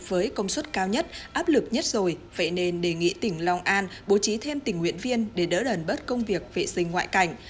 với công suất cao nhất áp lực nhất rồi vậy nên đề nghị tỉnh long an bố trí thêm tình nguyện viên để đỡ đờn bớt công việc vệ sinh ngoại cảnh